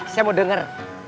saya mau denger